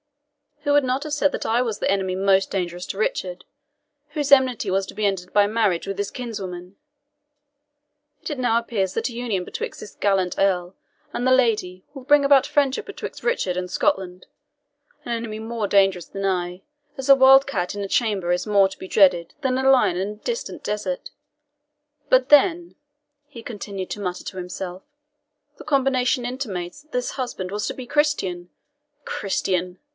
Who would not have said that I was that enemy most dangerous to Richard, whose enmity was to be ended by marriage with his kinswoman? Yet it now appears that a union betwixt this gallant Earl and the lady will bring about friendship betwixt Richard and Scotland, an enemy more dangerous than I, as a wildcat in a chamber is more to be dreaded than a lion in a distant desert. But then," he continued to mutter to himself, "the combination intimates that this husband was to be Christian. Christian!"